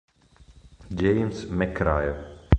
James McRae